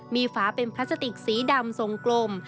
มีฝาเป็นพลาสติกสีดำทรงกลม